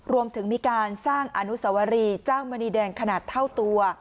รวมถึงมีการสร้างอนุสวรีเจ้ามณีแดงขนาดเท่าตัว